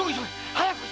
早く！